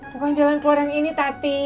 bukan jalan keluarnya yang ini tati